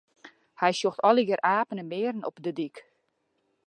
Hy sjocht allegear apen en bearen op 'e dyk.